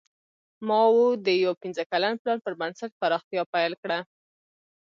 ماوو د یو پنځه کلن پلان پر بنسټ پراختیا پیل کړه.